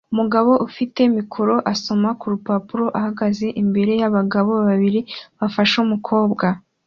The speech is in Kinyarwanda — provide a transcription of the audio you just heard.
Umugabo ufite mikoro asoma kurupapuro ahagaze imbere yabagabo babiri bafashe umukobwa